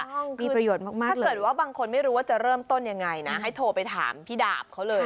ต้องมีประโยชน์มากถ้าเกิดว่าบางคนไม่รู้ว่าจะเริ่มต้นยังไงนะให้โทรไปถามพี่ดาบเขาเลย